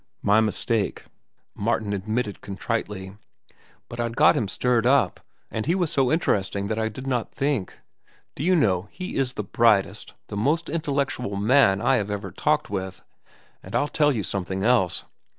"My mistake," Martin admitted contritely. "But I'd got him stirred up, and he was so interesting that I did not think. Do you know, he is the brightest, the most intellectual, man I have ever talked with. And I'll tell you something else.